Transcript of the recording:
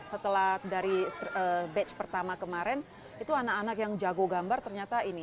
setelah dari batch pertama kemarin itu anak anak yang jago gambar ternyata ini